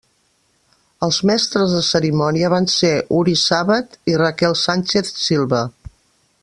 Els mestres de cerimònia van ser Uri Sàbat i Raquel Sánchez Silva.